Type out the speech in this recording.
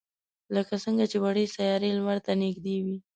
لکه څنگه چې وړې سیارې لمر ته نږدې وي.